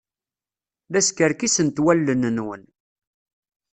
La skerkisent wallen-nwen.